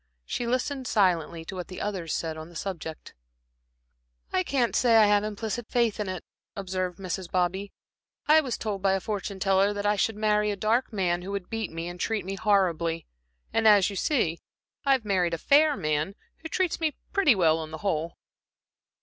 She listened silently to what the others said on the subject. "I can't say I have implicit faith in it," observed Mrs. Bobby. "I was told by a fortune teller that I should marry a dark man, who would beat me and treat me horribly; and as you see, I've married a fair man who treats me pretty well on the whole."